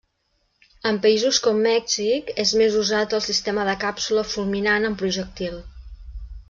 En països com Mèxic és més usat el sistema de càpsula fulminant amb projectil.